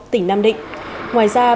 tỉnh nam định ngoài ra